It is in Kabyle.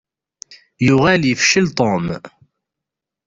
Yuɣal yefcel Tom.